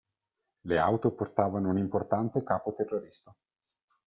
Le auto portavano un importante capo-terrorista.